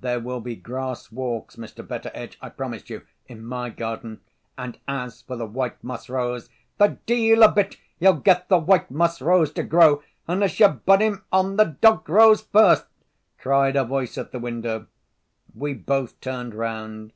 There will be grass walks, Mr. Betteredge, I promise you, in my garden. And as for the white moss rose——" "The de'il a bit ye'll get the white moss rose to grow, unless you bud him on the dogue rose first," cried a voice at the window. We both turned round.